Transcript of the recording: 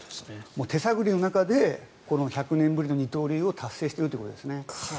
手探りの中で１００年ぶりの二刀流を達成しているということですね。